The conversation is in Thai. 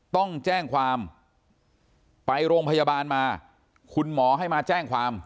ต้องแจ้งความไปโรงพยาบาลมาคุณหมอให้มาแจ้งความ